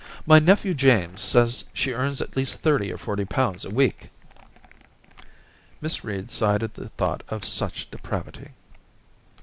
* My nephew James says she earns at least thirty or forty pounds a week.' Miss Reed sighed at the thought of such depravity.